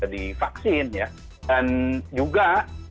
di vaksin ya dan juga